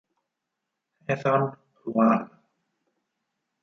Ethan Ruan